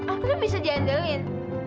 aku udah bisa diandalkan